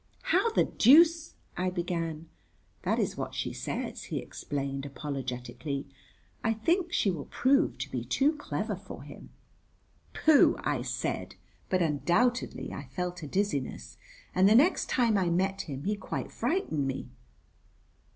"How the deuce " I began "That is what she says," he explained, apologetically. "I think she will prove to be too clever for him." "Pooh," I said, but undoubtedly I felt a dizziness, and the next time I met him he quite frightened me.